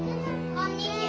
こんにちは。